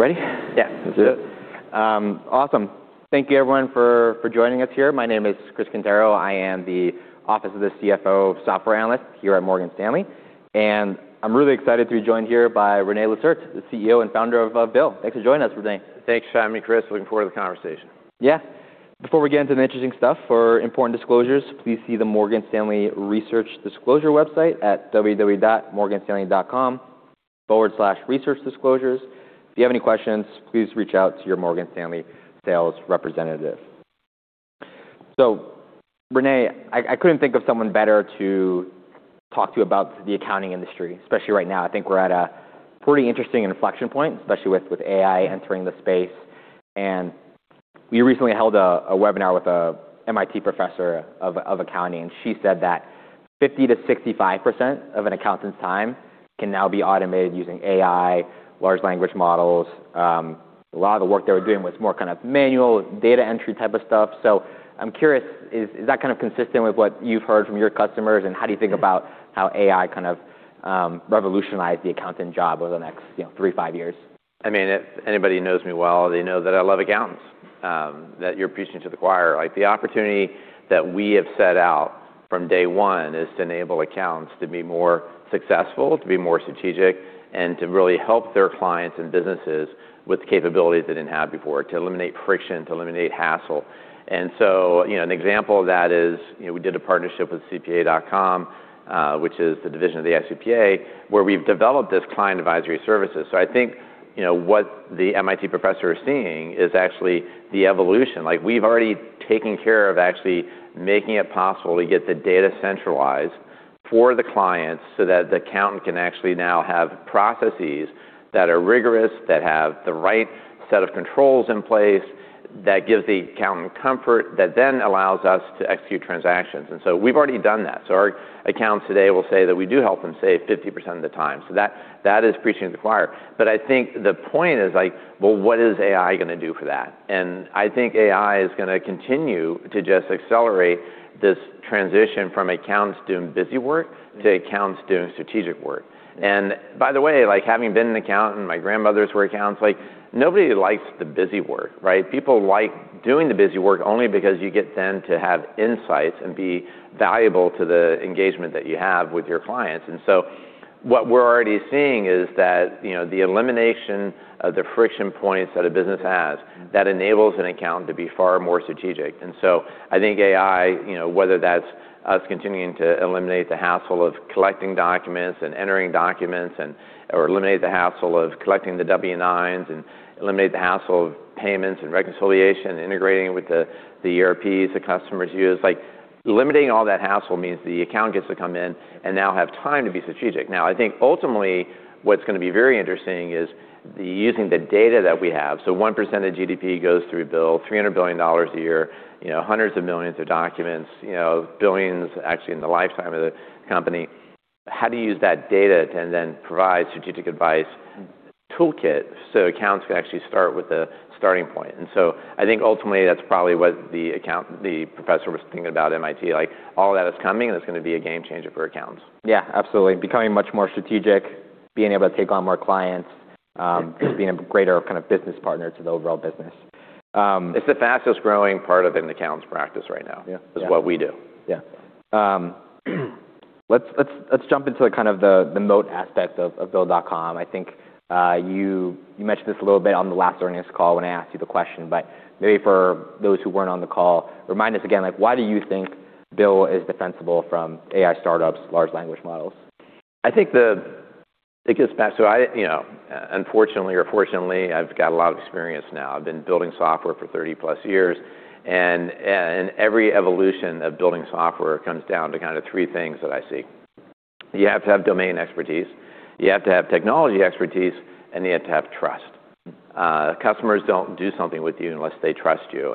All right. Ready? Yeah. Let's do it. Awesome. Thank you everyone for joining us here. My name is Chris Quintero. I am the Office of the CFO Software Analyst here at Morgan Stanley. I'm really excited to be joined here by René Lacerte, the CEO and founder of BILL. Thanks for joining us, René. Thanks for having me, Chris. Looking forward to the conversation. Yeah. Before we get into the interesting stuff, for important disclosures, please see the Morgan Stanley Research Disclosure website at www.morganstanley.com/researchdisclosures. If you have any questions, please reach out to your Morgan Stanley sales representative. René, I couldn't think of someone better to talk to about the accounting industry, especially right now. I think we're at a pretty interesting inflection point, especially with AI entering the space. We recently held a webinar with a MIT professor of accounting, and she said that 50%-65% of an accountant's time can now be automated using AI, large language models. A lot of the work they were doing was more kind of manual data entry type of stuff. I'm curious, is that kind of consistent with what you've heard from your customers, and how do you think about how AI kind of revolutionized the accounting job over the next, you know, three to five years? I mean, if anybody knows me well, they know that I love accountants, that you're preaching to the choir. Like, the opportunity that we have set out from day one is to enable accountants to be more successful, to be more strategic, and to really help their clients and businesses with capabilities they didn't have before, to eliminate friction, to eliminate hassle. You know, an example of that is, you know, we did a partnership with CPA.com, which is the division of the AICPA, where we've developed this client advisory services. I think, you know, what the MIT professor is seeing is actually the evolution. Like, we've already taken care of actually making it possible to get the data centralized for the clients so that the accountant can actually now have processes that are rigorous, that have the right set of controls in place, that give the accountant comfort, that allows us to execute transactions. We've already done that. Our accountants today will say that we do help them save 50% of the time. That is preaching to the choir. I think the point is like, well, what is AI gonna do for that? I think AI is gonna continue to just accelerate this transition from accountants doing busywork to accountants doing strategic work. By the way, like, having been an accountant, my grandmothers were accountants, like, nobody likes the busywork, right? People like doing the busywork only because you get then to have insights and be valuable to the engagement that you have with your clients. What we're already seeing is that, you know, the elimination of the friction points that a business has, that enables an accountant to be far more strategic. I think AI, you know, whether that's us continuing to eliminate the hassle of collecting documents and entering documents and, or eliminate the hassle of collecting the W-9s, and eliminate the hassle of payments and reconciliation, integrating it with the ERPs the customers use. Like, eliminating all that hassle means the accountant gets to come in and now have time to be strategic. Now, I think ultimately, what's gonna be very interesting is using the data that we have. 1% of the GDP goes through BILL, $300 billion a year, you know, hundreds of millions of documents, you know, billions actually in the lifetime of the company. How to use that data to then provide strategic advice toolkit, so accountants can actually start with a starting point. I think ultimately that's probably what the professor was thinking about MIT. Like, all that is coming, and it's gonna be a game changer for accountants. Yeah, absolutely. Becoming much more strategic, being able to take on more clients, being a greater kind of business partner to the overall business. It's the fastest-growing part of an accountant's practice right now. Yeah. Yeah. is what we do. Yeah. let's jump into kind of the moat aspect of Bill.com. I think you mentioned this a little bit on the last earnings call when I asked you the question, but maybe for those who weren't on the call, remind us again, like, why do you think Bill is defensible from AI startups' large language models? I think it gets back to you know, unfortunately or fortunately, I've got a lot of experience now. I've been building software for 30-plus years, and every evolution of building software comes down to kinda three things that I see. You have to have domain expertise, you have to have technology expertise, and you have to have trust. Customers don't do something with you unless they trust you.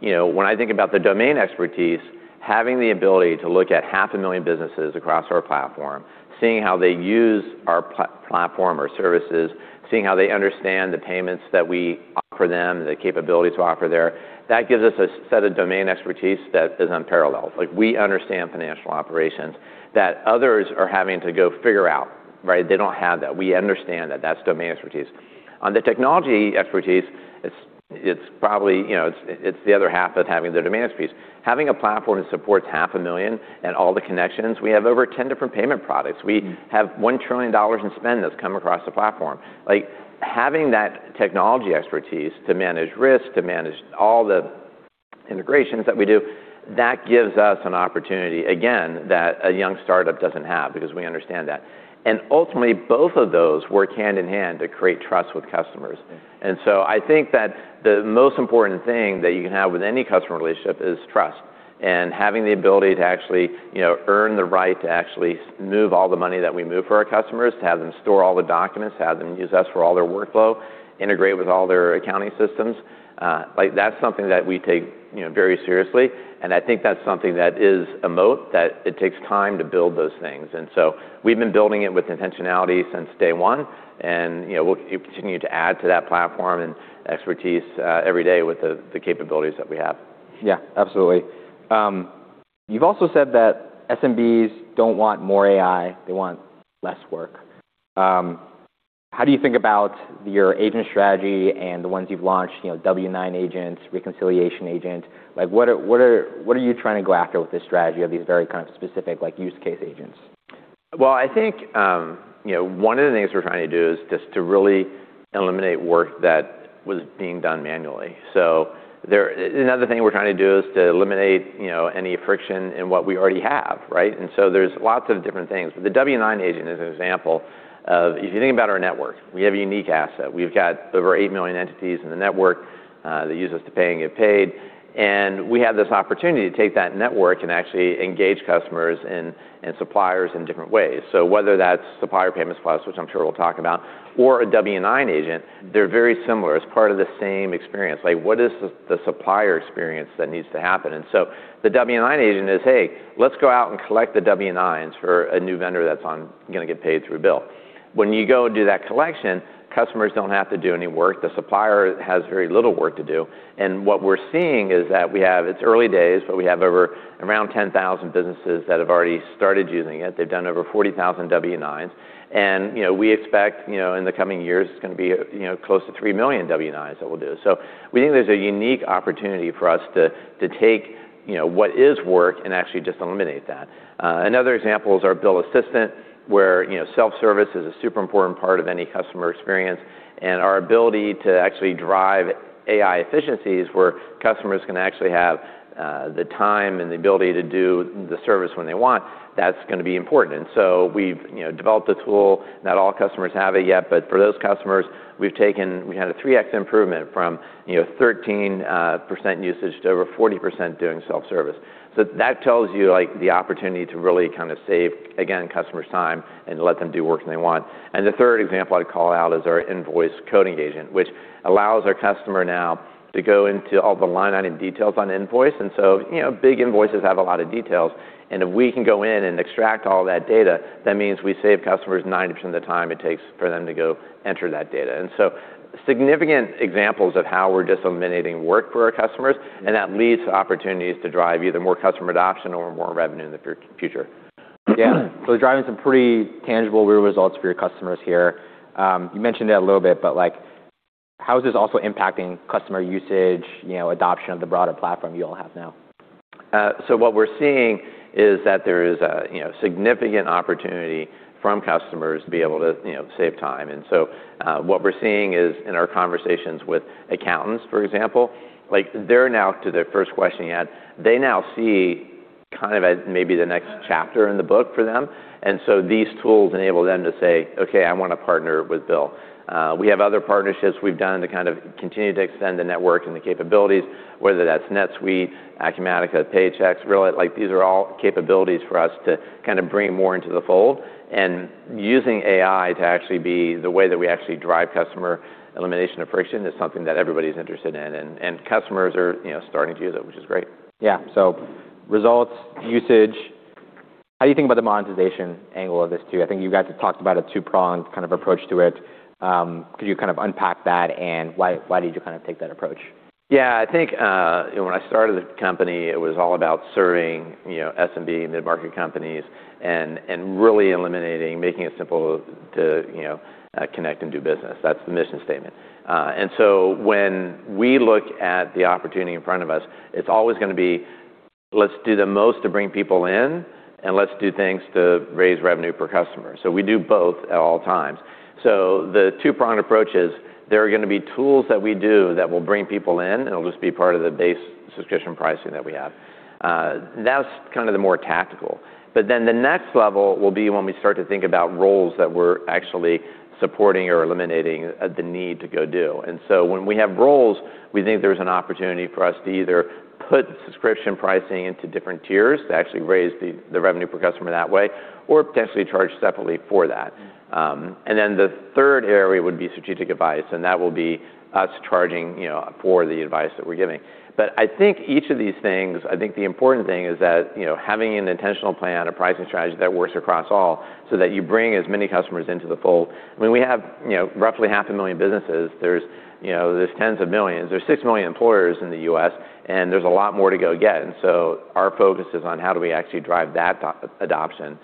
You know, when I think about the domain expertise, having the ability to look at 500,000 businesses across our platform, seeing how they use our platform or services, seeing how they understand the payments that we offer them, the capabilities we offer there, that gives us a set of domain expertise that is unparalleled. Like, we understand financial operations that others are having to go figure out, right? They don't have that. We understand that. That's domain expertise. On the technology expertise, it's probably, you know, it's the other half of having the domain expertise. Having a platform that supports half a million and all the connections, we have over 10 different payment products. We have $1 trillion in spend that's come across the platform. Like, having that technology expertise to manage risk, to manage all the integrations that we do, that gives us an opportunity, again, that a young startup doesn't have, because we understand that. Ultimately, both of those work hand in hand to create trust with customers. Yeah. I think that the most important thing that you can have with any customer relationship is trust. Having the ability to actually, you know, earn the right to actually move all the money that we move for our customers, to have them store all the documents, to have them use us for all their workflow, integrate with all their accounting systems, like, that's something that we take, you know, very seriously. I think that's something that is a moat, that it takes time to build those things. We've been building it with intentionality since day one, and, you know, we'll continue to add to that platform and expertise every day with the capabilities that we have. Yeah. Absolutely. You've also said that SMBs don't want more AI, they want less work. How do you think about your agent strategy and the ones you've launched, you know, W-9 Agents, Reconciliation Agent? Like, what are you trying to go after with this strategy of these very kind of specific, like, use case agents? Well, I think, you know, one of the things we're trying to do is just to really eliminate work that was being done manually. Another thing we're trying to do is to eliminate, you know, any friction in what we already have, right? There's lots of different things. The BILL W-9 Agent is an example of if you think about our network, we have a unique asset. We've got over eight million entities in the network that use us to pay and get paid, and we have this opportunity to take that network and actually engage customers and suppliers in different ways. Whether that's Supplier Payments Plus, which I'm sure we'll talk about, or a BILL W-9 Agent, they're very similar. It's part of the same experience. Like, what is the supplier experience that needs to happen? The BILL W-9 Agent is, "Hey, let's go out and collect the W-9s for a new vendor that's gonna get paid through Bill.com." When you go and do that collection, customers don't have to do any work. The supplier has very little work to do. What we're seeing is that it's early days, but we have over around 10,000 businesses that have already started using it. They've done over 40,000 W-9s. We expect, you know, in the coming years it's gonna be, you know, close to three million W-9s that we'll do. We think there's a unique opportunity for us to take, you know, what is work and actually just eliminate that. Another example is our BILL Assistant, where, you know, self-service is a super important part of any customer experience, and our ability to actually drive AI efficiencies where customers can actually have the time and the ability to do the service when they want, that's gonna be important. We've, you know, developed a tool. Not all customers have it yet, but for those customers, we had a 3x improvement from, you know, 13% usage to over 40% doing self-service. That tells you, like, the opportunity to really kind of save, again, customers time and let them do work when they want. The third example I'd call out is our BILL Invoice Coding Agent, which allows our customer now to go into all the line item details on invoice. You know, big invoices have a lot of details, and if we can go in and extract all that data, that means we save customers 90% of the time it takes for them to go enter that data. Significant examples of how we're just eliminating work for our customers, and that leads to opportunities to drive either more customer adoption or more revenue in the future. Yeah. Driving some pretty tangible, real results for your customers here. You mentioned it a little bit, but, like, how is this also impacting customer usage, you know, adoption of the broader platform you all have now? What we're seeing is that there is a, you know, significant opportunity from customers to be able to, you know, save time. What we're seeing is in our conversations with accountants, for example, like, they're now, to their first question yet, they now see kind of a maybe the next chapter in the book for them. These tools enable them to say, "Okay, I wanna partner with BILL." We have other partnerships we've done to kind of continue to extend the network and the capabilities, whether that's NetSuite, Acumatica, Paychex, really, like, these are all capabilities for us to kind of bring more into the fold. Using AI to actually be the way that we actually drive customer elimination of friction is something that everybody's interested in, and customers are, you know, starting to use it, which is great. Yeah. Results, usage. How do you think about the monetization angle of this too? I think you guys have talked about a two-pronged kind of approach to it. Could you kind of unpack that and why did you kind of take that approach? I think, when I started the company, it was all about serving, you know, SMB, mid-market companies and really eliminating, making it simple to, you know, connect and do business. That's the mission statement. When we look at the opportunity in front of us, it's always gonna be, let's do the most to bring people in, and let's do things to raise revenue per customer. We do both at all times. The two-pronged approach is there are gonna be tools that we do that will bring people in, and it'll just be part of the base subscription pricing that we have. That's kind of the more tactical. The next level will be when we start to think about roles that we're actually supporting or eliminating, the need to go do. When we have roles, we think there's an opportunity for us to either put subscription pricing into different tiers to actually raise the revenue per customer that way or potentially charge separately for that. Then the third area would be strategic advice, and that will be us charging, you know, for the advice that we're giving. I think each of these things, I think the important thing is that, you know, having an intentional plan, a pricing strategy that works across all so that you bring as many customers into the fold. I mean, we have, you know, roughly 0.5 million businesses. There's, you know, there's tens of millions. There's 6 million employers in the U.S., and there's a lot more to go get. Our focus is on how do we actually drive that adoption,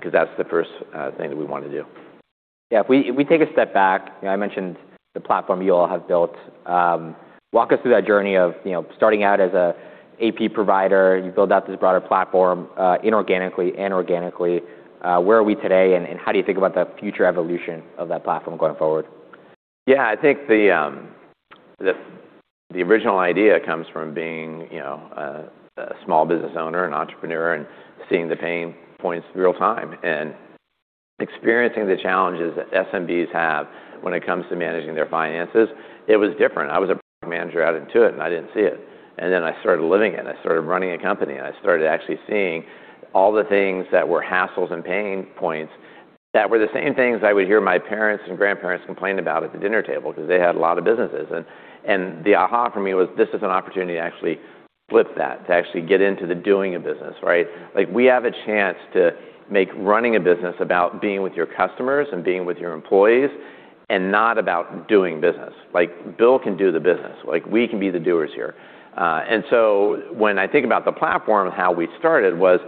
'cause that's the first thing that we wanna do. Yeah. If we take a step back, you know, I mentioned the platform you all have built. Walk us through that journey of, you know, starting out as a AP provider. You build out this broader platform, inorganically and organically. Where are we today, and how do you think about the future evolution of that platform going forward? Yeah. I think the original idea comes from being, you know, a small business owner and entrepreneur and seeing the pain points real time and experiencing the challenges that SMBs have when it comes to managing their finances. It was different. I was a product manager out at Intuit, and I didn't see it. Then I started living it. I started running a company. I started actually seeing all the things that were hassles and pain points that were the same things I would hear my parents and grandparents complain about at the dinner table 'cause they had a lot of businesses. And the aha for me was this is an opportunity to actually flip that to actually get into the doing of business, right? Like, we have a chance to make running a business about being with your customers and being with your employees, and not about doing business. Like, BILL can do the business. Like, we can be the doers here. When I think about the platform, how we started was,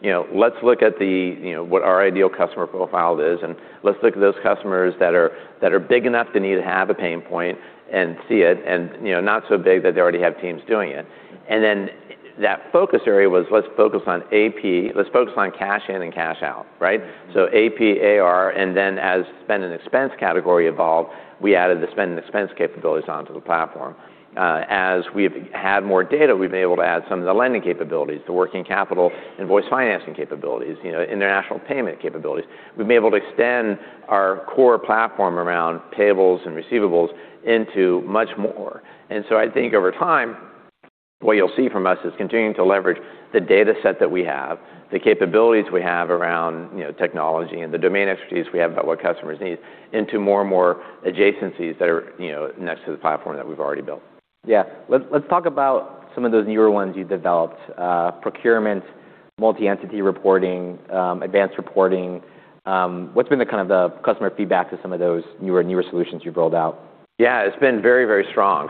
you know, let's look at the, you know, what our ideal customer profile is, and let's look at those customers that are big enough to need to have a pain point and see it and, you know, not so big that they already have teams doing it. That focus area was let's focus on AP. Let's focus on cash in and cash out, right? AP, AR, and then as spend and expense category evolved, we added the spend and expense capabilities onto the platform. As we've had more data, we've been able to add some of the lending capabilities, the working capital, invoice financing capabilities, you know, international payment capabilities. We've been able to extend our core platform around payables and receivables into much more. I think over time, what you'll see from us is continuing to leverage the data set that we have, the capabilities we have around, you know, technology and the domain expertise we have about what customers need into more and more adjacencies that are, you know, next to the platform that we've already built. Yeah. Let's talk about some of those newer ones you've developed, Procurement, multi-entity reporting, advanced reporting. What's been the kind of the customer feedback to some of those newer solutions you've rolled out? Yeah. It's been very, very strong.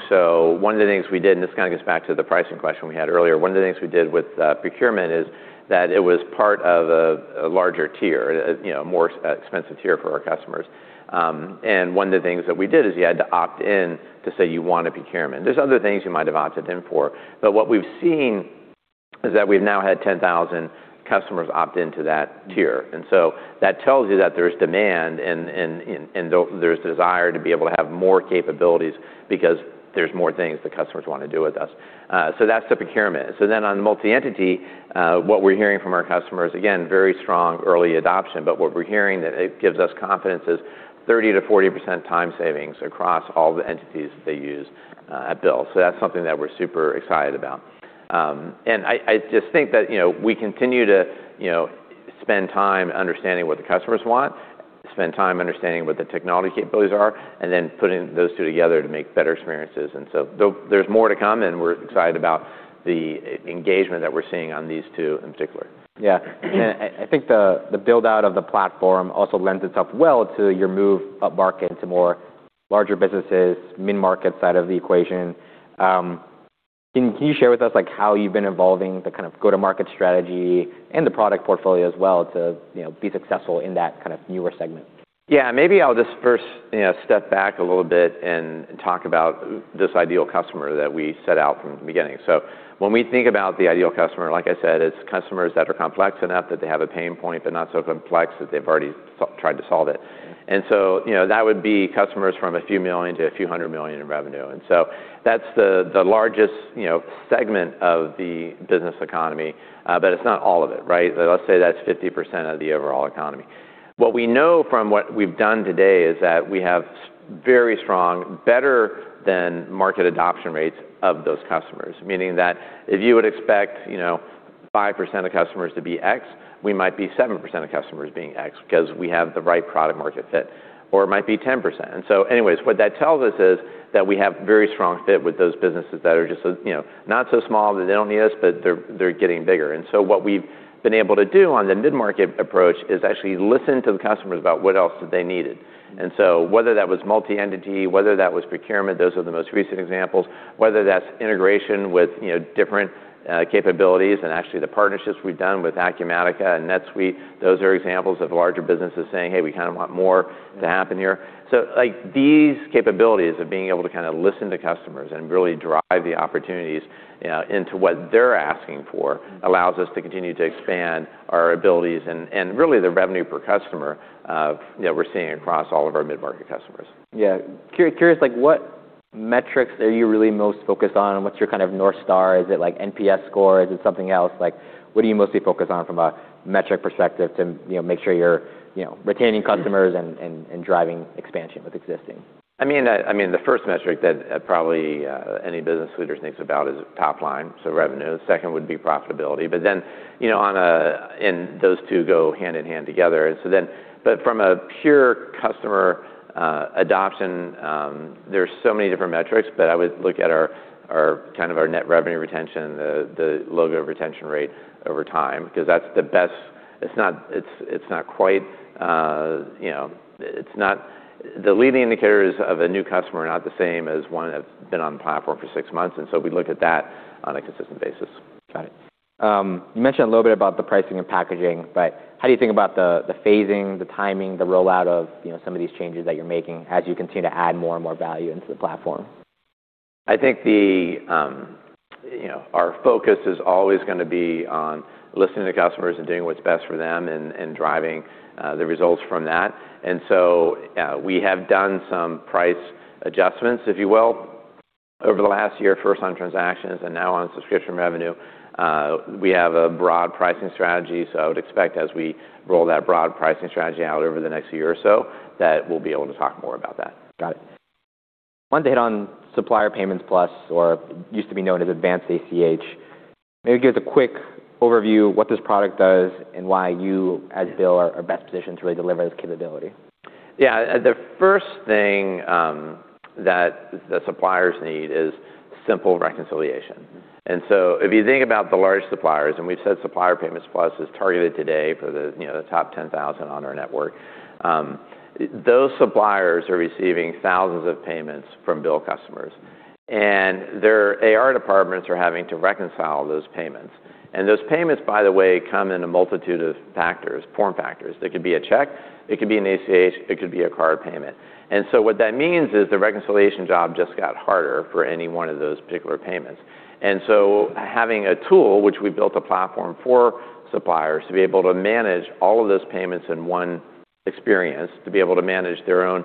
One of the things we did, and this kind of gets back to the pricing question we had earlier, one of the things we did with Procurement is that it was part of a larger tier, you know, more expensive tier for our customers. One of the things that we did is you had to opt in to say you want a Procurement. There's other things you might have opted in for. What we've seen is that we've now had 10,000 customers opt into that tier. That tells you that there's demand and there's desire to be able to have more capabilities because there's more things that customers wanna do with us. That's the Procurement. On multi-entity, what we're hearing from our customers, again, very strong early adoption, but what we're hearing that it gives us confidence is 30%-40% time savings across all the entities they use, at BILL. That's something that we're super excited about. I just think that, you know, we continue to, you know, spend time understanding what the customers want, spend time understanding what the technology capabilities are, and then putting those two together to make better experiences. Though there's more to come, and we're excited about the engagement that we're seeing on these two in particular. Yeah. I think the build-out of the platform also lends itself well to your move upmarket to more larger businesses, mid-market side of the equation. Can you share with us, like, how you've been evolving the kind of go-to-market strategy and the product portfolio as well to, you know, be successful in that kind of newer segment? Yeah. Maybe I'll just first, you know, step back a little bit and talk about this ideal customer that we set out from the beginning. When we think about the ideal customer, like I said, it's customers that are complex enough that they have a pain point but not so complex that they've already tried to solve it. You know, that would be customers from a few million to a few hundred million in revenue. That's the largest, you know, segment of the business economy, but it's not all of it, right? Let's say that's 50% of the overall economy. What we know from what we've done today is that we have very strong, better than market adoption rates of those customers, meaning that if you would expect, you know, 5% of customers to be X, we might be 7% of customers being X because we have the right product market fit, or it might be 10%. Anyways, what that tells us is that we have very strong fit with those businesses that are just, you know, not so small that they don't need us, but they're getting bigger. What we've been able to do on the mid-market approach is actually listen to the customers about what else that they needed. Whether that was multi-entity, whether that was procurement, those are the most recent examples, whether that's integration with, you know, different, capabilities and actually the partnerships we've done with Acumatica and NetSuite, those are examples of larger businesses saying, "Hey. We kinda want more to happen here." Like, these capabilities of being able to kinda listen to customers and really drive the opportunities, you know, into what they're asking for allows us to continue to expand our abilities and really the revenue per customer, you know, we're seeing across all of our mid-market customers. Yeah. Curious, like, what metrics are you really most focused on, and what's your kind of north star? Is it, like, NPS score? Is it something else? Like, what are you mostly focused on from a metric perspective to, you know, make sure you're, you know, retaining customers and, and driving expansion with existing? I mean, the first metric that, probably, any business leader thinks about is top line, so revenue. Second would be profitability. You know, those two go hand in hand together. From a pure customer, adoption, there are so many different metrics, but I would look at our kind of our net revenue retention, the logo retention rate over time because that's the best. It's not, it's not quite, you know, it's not. The leading indicators of a new customer are not the same as one that's been on the platform for six months. We look at that on a consistent basis. Got it. You mentioned a little bit about the pricing and packaging, how do you think about the phasing, the timing, the rollout of, you know, some of these changes that you're making as you continue to add more and more value into the platform? I think the, you know, our focus is always gonna be on listening to customers and doing what's best for them and driving the results from that. We have done some price adjustments, if you will, over the last year, first on transactions and now on subscription revenue. We have a broad pricing strategy, I would expect as we roll that broad pricing strategy out over the next year or so, that we'll be able to talk more about that. Got it. Wanted to hit on Supplier Payments Plus or used to be known as Advanced ACH. Maybe give us a quick overview of what this product does and why you, as BILL, are best positioned to really deliver this capability. Yeah. The first thing, that the suppliers need is simple reconciliation. Mm-hmm. If you think about the large suppliers, and we've said Supplier Payments Plus is targeted today for the, you know, the top 10,000 on our network, those suppliers are receiving thousands of payments from BILL customers. Their AR departments are having to reconcile those payments, and those payments, by the way, come in a multitude of factors, form factors. It could be a check, it could be an ACH, it could be a card payment. What that means is the reconciliation job just got harder for any one of those particular payments. Having a tool, which we built a platform for suppliers to be able to manage all of those payments in one experience, to be able to manage their own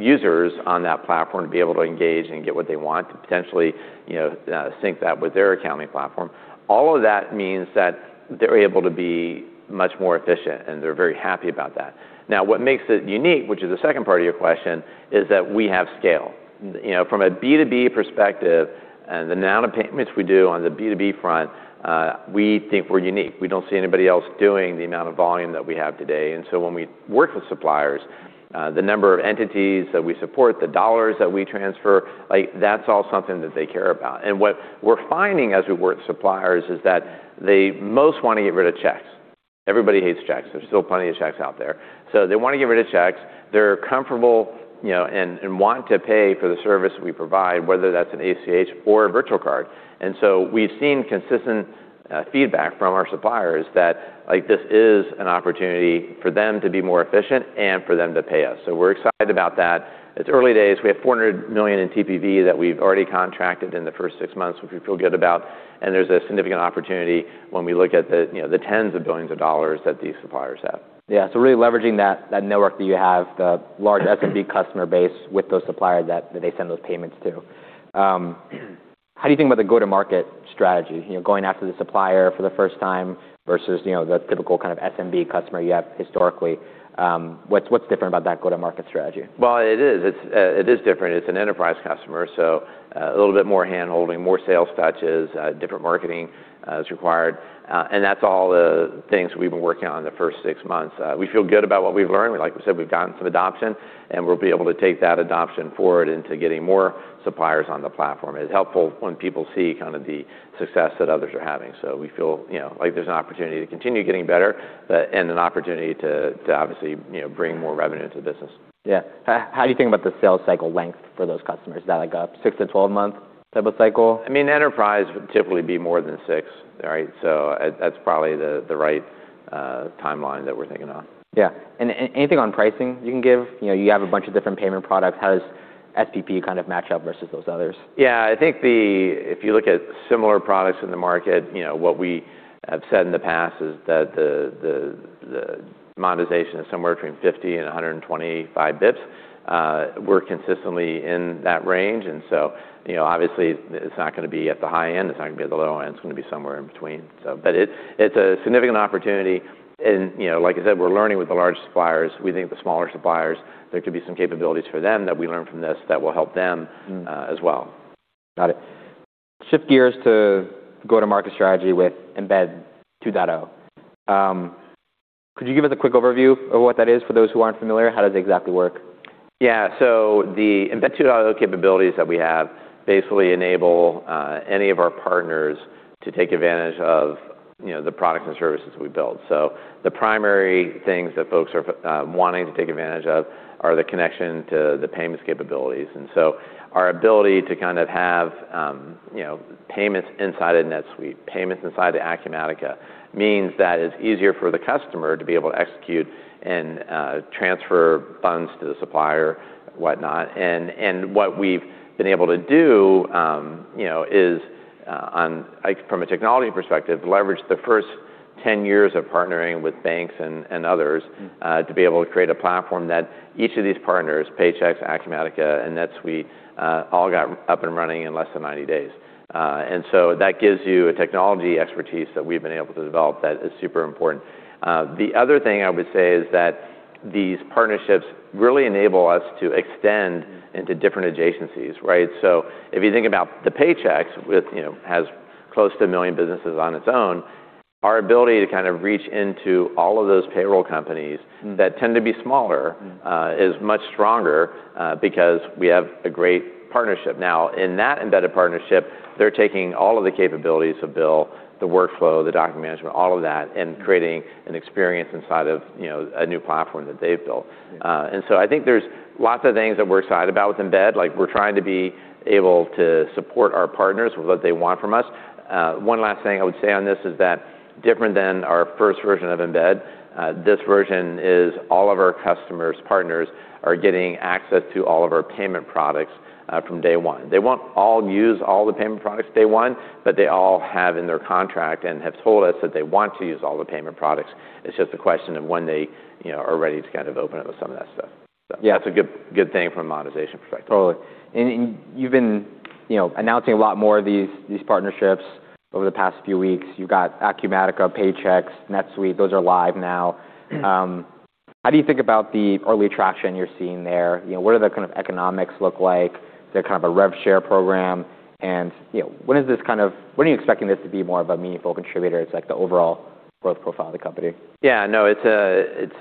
users on that platform, to be able to engage and get what they want, to potentially, you know, sync that with their accounting platform, all of that means that they're able to be much more efficient, and they're very happy about that. Now, what makes it unique, which is the second part of your question, is that we have scale. You know, from a B2B perspective, and the amount of payments we do on the B2B front, we think we're unique. We don't see anybody else doing the amount of volume that we have today. When we work with suppliers, the number of entities that we support, the dollars that we transfer, like, that's all something that they care about. What we're finding as we work suppliers is that they most want to get rid of checks. Everybody hates checks. There's still plenty of checks out there, so they want to get rid of checks. They're comfortable, you know, and want to pay for the service we provide, whether that's an ACH or a virtual card. We've seen consistent feedback from our suppliers that, like, this is an opportunity for them to be more efficient and for them to pay us. We're excited about that. It's early days. We have $400 million in TPV that we've already contracted in the first 6 months, which we feel good about. There's a significant opportunity when we look at the, you know, the tens of billions of dollars that these suppliers have. Really leveraging that network that you have, the large SMB customer base with those suppliers that they send those payments to. How do you think about the go-to-market strategy, you know, going after the supplier for the first time versus, you know, the typical kind of SMB customer you have historically? What's different about that go-to-market strategy? It is. It's, it is different. It's an enterprise customer, so a little bit more handholding, more sales touches, different marketing is required. That's all the things we've been working on the first 6 months. We feel good about what we've learned. Like we said, we've gotten some adoption, and we'll be able to take that adoption forward into getting more suppliers on the platform. It's helpful when people see kind of the success that others are having. We feel, you know, like there's an opportunity to continue getting better, and an opportunity to obviously, you know, bring more revenue into the business. Yeah. How do you think about the sales cycle length for those customers? Is that like a 6-12 month type of cycle? I mean, enterprise would typically be more than six, right? That's probably the right timeline that we're thinking of. Yeah. Anything on pricing you can give? You know, you have a bunch of different payment products. How does SPP kind of match up versus those others? Yeah. I think the If you look at similar products in the market, you know, what we have said in the past is that the monetization is somewhere between 50 and 125 bps. We're consistently in that range. you know, obviously it's not gonna be at the high end, it's not gonna be at the low end. It's gonna be somewhere in between. it's a significant opportunity and, you know, like I said, we're learning with the large suppliers. We think the smaller suppliers, there could be some capabilities for them that we learn from this that will help them- Mm. as well. Got it. Shift gears to go-to-market strategy with Embed 2.0. Could you give us a quick overview of what that is for those who aren't familiar? How does it exactly work? The Embed 2.0 capabilities that we have basically enable any of our partners to take advantage of, you know, the products and services we build. The primary things that folks are wanting to take advantage of are the connection to the payments capabilities. Our ability to kind of have, you know, payments inside of NetSuite, payments inside of Acumatica, means that it's easier for the customer to be able to execute and transfer funds to the supplier, whatnot. What we've been able to do, you know, is on like from a technology perspective, leverage the first 10 years of partnering with banks and others. Mm. to be able to create a platform that each of these partners, Paychex, Acumatica, and NetSuite, all got up and running in less than 90 days. That gives you a technology expertise that we've been able to develop that is super important. The other thing I would say is that these partnerships really enable us to extend into different adjacencies, right? If you think about the Paychex with, you know, has close to 1 million businesses on its own, our ability to kind of reach into all of those payroll companies- Mm. that tend to be smaller Mm. is much stronger, because we have a great partnership. In that embedded partnership, they're taking all of the capabilities of BILL, the workflow, the document management, all of that, and creating an experience inside of, you know, a new platform that they've built. Yeah. I think there's lots of things that we're excited about with Embed, like we're trying to be able to support our partners with what they want from us. One last thing I would say on this is that different than our first version of Embed, this version is all of our customers, partners are getting access to all of our payment products, from day one. They won't all use all the payment products day one, but they all have in their contract and have told us that they want to use all the payment products. It's just a question of when they, you know, are ready to kind of open up some of that stuff. Yeah. It's a good thing from a monetization perspective. Totally. You've been, you know, announcing a lot more of these partnerships over the past few weeks. You've got Acumatica, Paychex, NetSuite. Those are live now. Mm-hmm. How do you think about the early traction you're seeing there? You know, what are the kind of economics look like? Is there kind of a rev share program? You know, when are you expecting this to be more of a meaningful contributor? It's like the overall growth profile of the company. Yeah. No, it's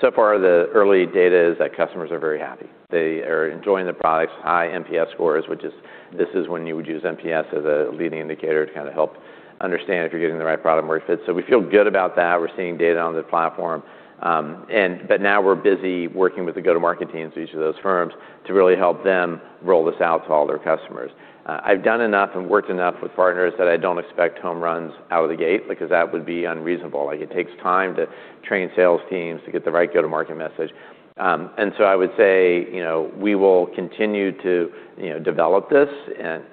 so far the early data is that customers are very happy. They are enjoying the products, high NPS scores, which is this is when you would use NPS as a leading indicator to kind of help understand if you're getting the right product market fit. We feel good about that. We're seeing data on the platform, but now we're busy working with the go-to-market teams of each of those firms to really help them roll this out to all their customers. I've done enough and worked enough with partners that I don't expect home runs out of the gate because that would be unreasonable. Like, it takes time to train sales teams to get the right go-to-market message. I would say, you know, we will continue to, you know, develop this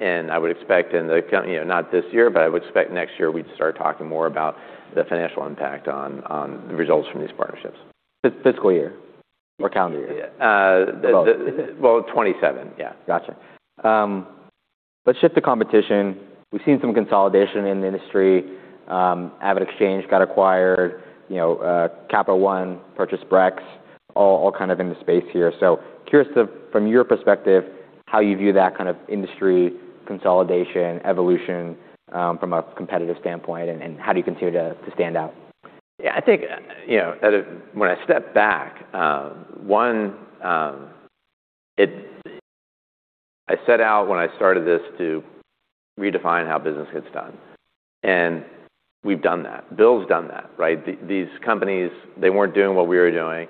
and I would expect not this year, but I would expect next year we'd start talking more about the financial impact on the results from these partnerships. Fiscal year or calendar year? Yeah. Both. Well, 2027, yeah. Gotcha. Let's shift to competition. We've seen some consolidation in the industry. AvidXchange got acquired, you know, Capital One purchased Brex, all kind of in the space here. Curious to, from your perspective, how you view that kind of industry consolidation, evolution, from a competitive standpoint and how do you continue to stand out? Yeah, I think, you know, at a... When I step back, one, I set out when I started this to redefine how business gets done, and we've done that. BILL's done that, right? These companies, they weren't doing what we were doing.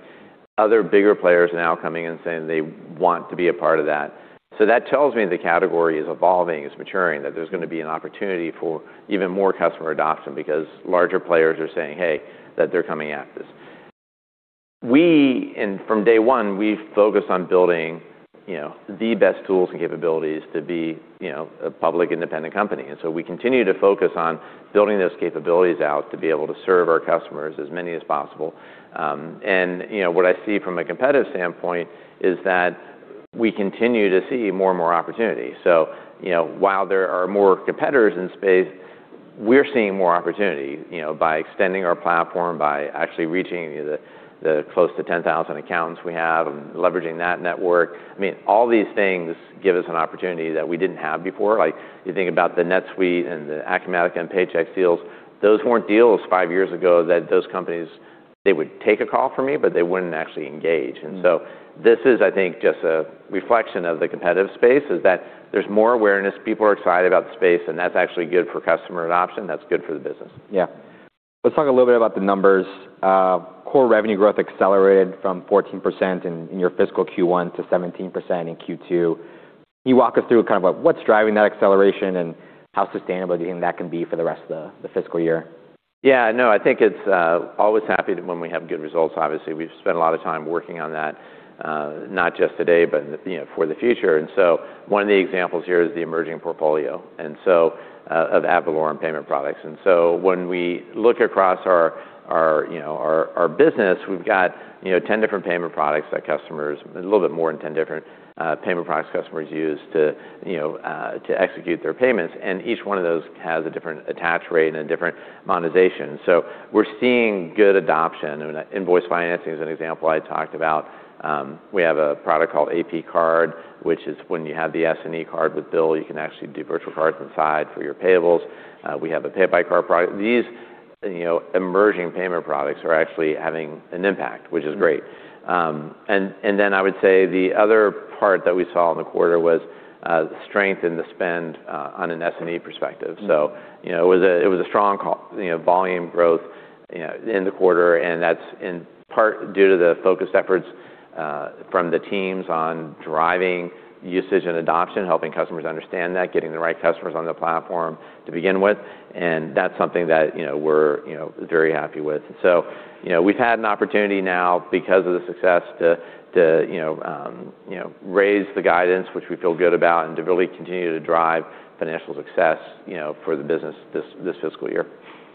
Other bigger players are now coming and saying they want to be a part of that. That tells me the category is evolving, it's maturing, that there's gonna be an opportunity for even more customer adoption because larger players are saying, hey, that they're coming after this. We, and from day one, we've focused on building, you know, the best tools and capabilities to be, you know, a public independent company. We continue to focus on building those capabilities out to be able to serve our customers, as many as possible. You know, what I see from a competitive standpoint is that we continue to see more and more opportunities. You know, while there are more competitors in the space, we're seeing more opportunities, you know, by extending our platform, by actually reaching the close to 10,000 accountants we have and leveraging that network. I mean, all these things give us an opportunity that we didn't have before. Like, you think about the NetSuite and the Acumatica and Paychex deals, those weren't deals five years ago that those companies, they would take a call from me, but they wouldn't actually engage. Mm-hmm. This is, I think, just a reflection of the competitive space, is that there's more awareness. People are excited about the space, and that's actually good for customer adoption. That's good for the business. Yeah. Let's talk a little bit about the numbers. core revenue growth accelerated from 14% in your fiscal Q1 to 17% in Q2. Can you walk us through kind of what's driving that acceleration and how sustainable you think that can be for the rest of the fiscal year? Yeah. No, I think it's always happy when we have good results. Obviously, we've spent a lot of time working on that, not just today, but, you know, for the future. One of the examples here is the emerging portfolio of Avalara payment products. When we look across our, you know, our business, we've got, you know, 10 different payment products that customers... a little bit more than 10 different payment products customers use to, you know, to execute their payments, and each one of those has a different attach rate and a different monetization. We're seeing good adoption. Invoice Financing is an example I talked about. We have a product called AP card, which is when you have the S&E card with BILL, you can actually do virtual cards inside for your payables. We have a Pay By Card product. These, you know, emerging payment products are actually having an impact, which is great. Then I would say the other part that we saw in the quarter was strength in the spend, on an S&E perspective. Mm-hmm. You know, it was a, it was a strong you know, volume growth, you know, in the quarter. That's in part due to the focused efforts from the teams on driving usage and adoption, helping customers understand that, getting the right customers on the platform to begin with, and that's something that, you know, we're, you know, very happy with. You know, we've had an opportunity now because of the success to, you know, you know, raise the guidance, which we feel good about. To really continue to drive financial success, you know, for the business this fiscal year.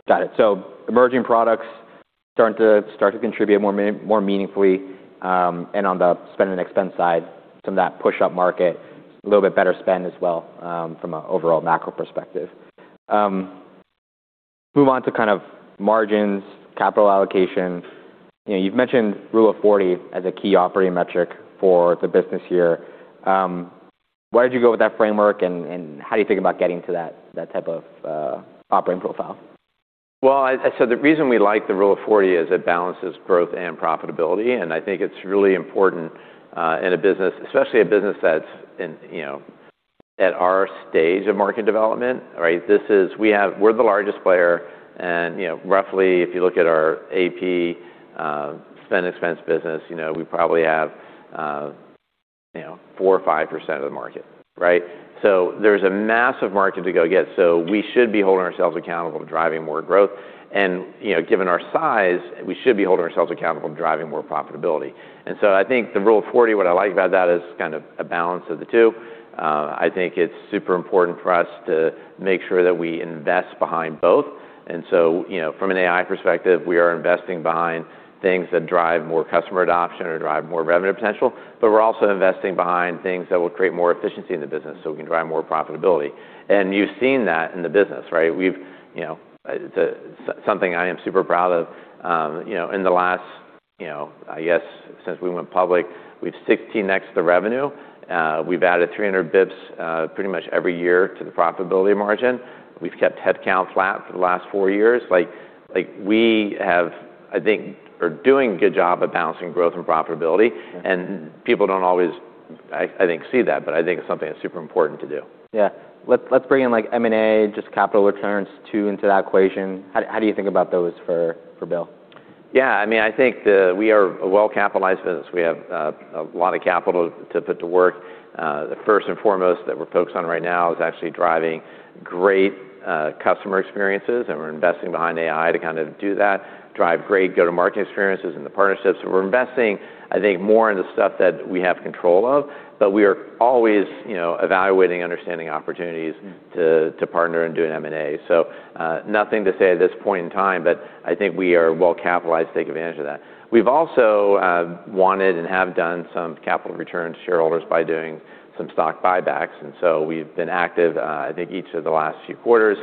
Got it. Emerging products starting to contribute more meaningfully, and on the spend and expense side, some of that push up market, a little bit better spend as well, from an overall macro perspective. Move on to kind of margins, capital allocation. You know, you've mentioned Rule of 40 as a key operating metric for the business here. Why'd you go with that framework, and how do you think about getting to that type of operating profile? Well, I said the reason we like the Rule of 40 is it balances growth and profitability, and I think it's really important in a business, especially a business that's in, you know, at our stage of market development, right? We're the largest player and, you know, roughly if you look at our AP spend expense business, you know, we probably have, you know, 4% or 5% of the market, right? There's a massive market to go get, so we should be holding ourselves accountable to driving more growth. You know, given our size, we should be holding ourselves accountable to driving more profitability. I think the Rule of 40, what I like about that is kind of a balance of the two. I think it's super important for us to make sure that we invest behind both. You know, from an AI perspective, we are investing behind things that drive more customer adoption or drive more revenue potential, but we're also investing behind things that will create more efficiency in the business, so we can drive more profitability. You've seen that in the business, right? We've, you know, the something I am super proud of, you know, in the last You know, I guess since we went public, we've 16x the revenue. We've added 300 bips pretty much every year to the profitability margin. We've kept headcount flat for the last four years. Like, I think are doing a good job at balancing growth and profitability, and people don't always, I think, see that, but I think it's something that's super important to do. Yeah. Let's bring in, like, M&A, just capital returns too into that equation. How do you think about those for BILL? Yeah. I mean, I think we are a well-capitalized business. We have a lot of capital to put to work. The first and foremost that we're focused on right now is actually driving great customer experiences, and we're investing behind AI to kind of do that, drive great go-to-market experiences and the partnerships. We're investing, I think, more in the stuff that we have control of, but we are always, you know, evaluating, understanding opportunities... Mm. To partner and do an M&A. Nothing to say at this point in time, but I think we are well-capitalized to take advantage of that. We've also wanted and have done some capital returns to shareholders by doing some stock buybacks. We've been active, I think each of the last few quarters,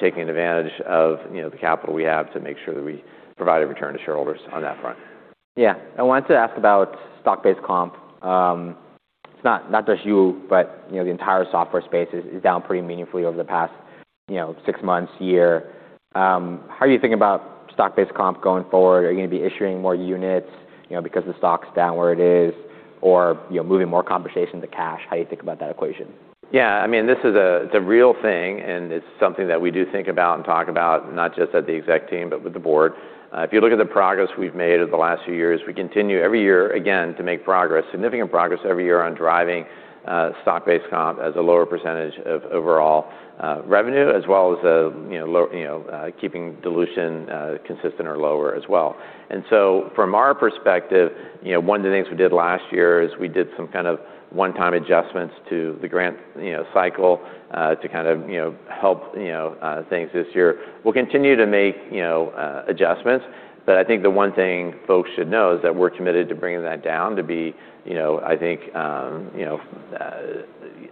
taking advantage of, you know, the capital we have to make sure that we provide a return to shareholders on that front. Yeah. I wanted to ask about stock-based compensation. It's not just you, but, you know, the entire software space is down pretty meaningfully over the past, you know, six months, year. How are you thinking about stock-based compensation going forward? Are you gonna be issuing more units, you know, because the stock's down where it is, or, you know, moving more compensation to cash? How do you think about that equation? Yeah. I mean, this is a, it's a real thing, and it's something that we do think about and talk about, not just at the exec team, but with the board. If you look at the progress we've made over the last few years, we continue every year, again, to make progress, significant progress every year on driving stock-based compensation as a lower % of overall revenue, as well as, you know, keeping dilution consistent or lower as well. From our perspective, you know, one of the things we did last year is we did some kind of one-time adjustments to the grant, you know, cycle, to kind of, you know, help things this year. We'll continue to make, you know, adjustments, but I think the one thing folks should know is that we're committed to bringing that down to be, you know, I think, you know,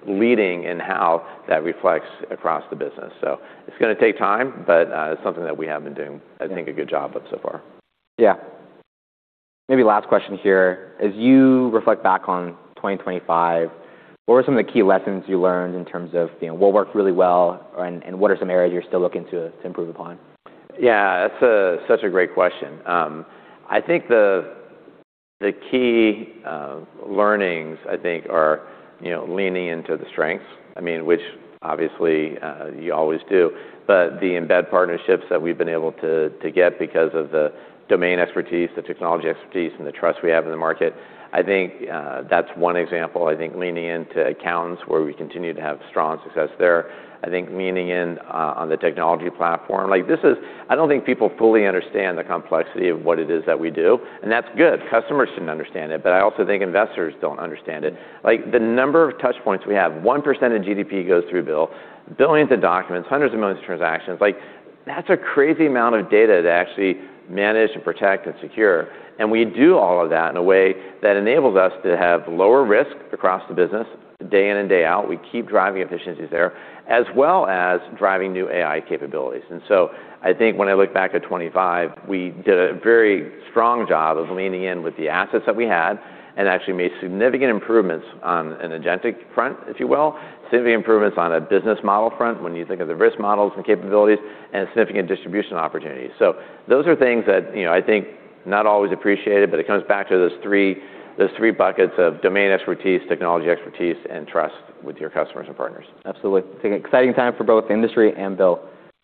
leading in how that reflects across the business. It's gonna take time, but it's something that we have been doing, I think, a good job of so far. Yeah. Maybe last question here. As you reflect back on 2025, what were some of the key lessons you learned in terms of, you know, what worked really well and what are some areas you're still looking to improve upon? Yeah. That's such a great question. I think the key learnings, I think, are, you know, leaning into the strengths, I mean, which obviously, you always do. The embed partnerships that we've been able to get because of the domain expertise, the technology expertise, and the trust we have in the market, I think, that's one example. I think leaning into accounts where we continue to have strong success there. I think leaning in on the technology platform. Like, I don't think people fully understand the complexity of what it is that we do, and that's good. Customers shouldn't understand it, but I also think investors don't understand it. Like, the number of touch points we have, 1% of GDP goes through BILL, billions of documents, hundreds of millions of transactions. Like, that's a crazy amount of data to actually manage and protect and secure, and we do all of that in a way that enables us to have lower risk across the business day in and day out, we keep driving efficiencies there, as well as driving new AI capabilities. I think when I look back at 2025, we did a very strong job of leaning in with the assets that we had and actually made significant improvements on an agentic front, if you will, significant improvements on a business model front when you think of the risk models and capabilities, and significant distribution opportunities. Those are things that, you know, I think not always appreciated, but it comes back to those three buckets of domain expertise, technology expertise, and trust with your customers and partners. Absolutely. It's an exciting time for both the industry and BILL.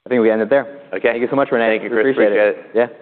I think we end it there. Okay. Thank you so much, René. Thank you, Chris. Appreciate it. Appreciate it. Yeah.